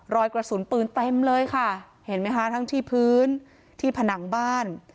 รอยกระสุนปืนเต็มเลยค่ะเห็นไหมคะทั้งที่พื้นที่ผนังบ้าน